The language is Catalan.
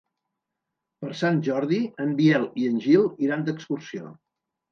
Per Sant Jordi en Biel i en Gil iran d'excursió.